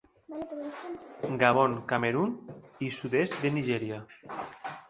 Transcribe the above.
Gabon, Camerun i sud-est de Nigèria.